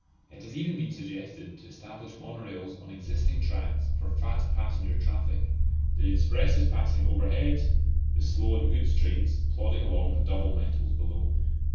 It has even been suggested to establish monorails on existing tracks for fast passenger traffic, the expresses passing overhead, the slow and goods trains plodding along the double metals below.